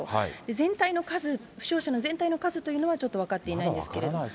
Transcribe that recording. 全体の数、負傷者の全体の数というのはちょっと分かっていないんですけど。